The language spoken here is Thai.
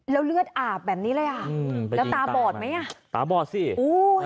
แล้วเลือดอาบแบบนี้เลยอ่ะอืมแล้วตาบอดไหมอ่ะตาบอดสิอุ้ย